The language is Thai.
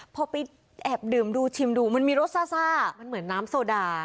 พอไปแอบดื่มดูชิมดูมันมีรสซ่ามันเหมือนน้ำโซดา